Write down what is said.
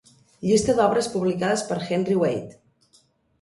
Llista d'obres publicades per "Henry Wade".